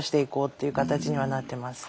っていう形にはなってます。